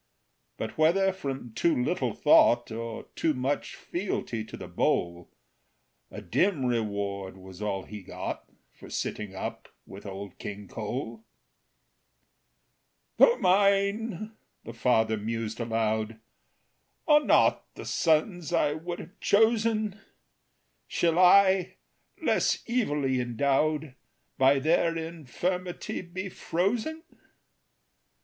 But whether from too little thought, Or too much fealty to the bowl, A dim reward was all he got For sitting up with Old King Cole. "Though mine," the father mused aloud, "Are not the sons I would have chosen, Shall I, less evilly endowed, By their infirmity be frozen?